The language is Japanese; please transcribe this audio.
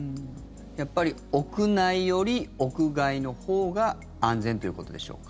やっぱり屋内より屋外のほうが安全ということでしょうか？